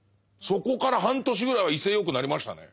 そこから半年ぐらいは威勢よくなりましたね。